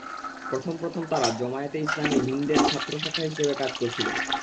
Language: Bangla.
প্রথম প্রথম তারা জামায়াতে ইসলামি হিন্দের ছাত্র শাখা হিসেবে কাজ করছিল।